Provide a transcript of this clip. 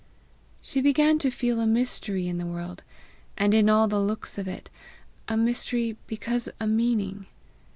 She began to feel a mystery in the world, and in all the looks of it a mystery because a meaning.